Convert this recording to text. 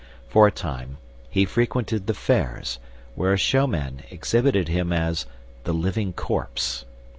For a time, he frequented the fairs, where a showman exhibited him as the "living corpse."